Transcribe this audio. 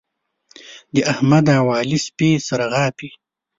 د احمد او علي سپي سره غاپي.